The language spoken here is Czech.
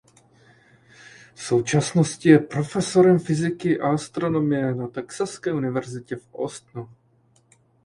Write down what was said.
V současnosti je profesorem fyziky a astronomie na Texaské univerzitě v Austinu.